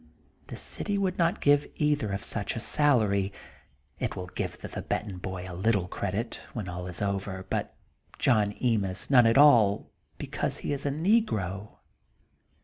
The city would not give either of such a salary. It will give the Thibetan Boy a little credit, when all is over, but John Emis none at all, because he is a negro.